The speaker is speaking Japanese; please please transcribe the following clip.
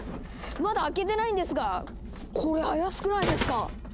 まだ開けてないんですがこれ怪しくないですか？